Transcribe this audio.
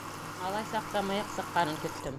Малай саҡта мыйыҡ сыҡҡанын көттөм.